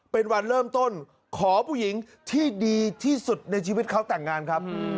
เป็นวันเริ่มต้นขอผู้หญิงที่ดีที่สุดในชีวิตเขาแต่งงานครับ